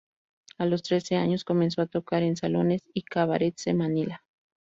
A los trece años comenzó a tocar en salones y cabarets de Manila.